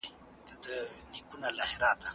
هغه کتاب چي ما لوستی و ډېر معلومات یې لرل.